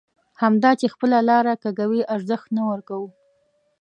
همدا چې خپله لاره کږوي ارزښت نه ورکوو.